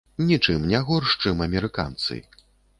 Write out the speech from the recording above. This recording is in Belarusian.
Нічым не горш, чым амерыканцы.